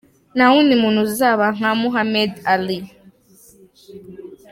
Ntawundi muntu uzaba nka Muhammed Ali.